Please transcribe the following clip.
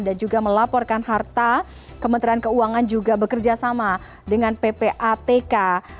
dan juga melaporkan harta kementerian keuangan juga bekerja sama dengan ppatk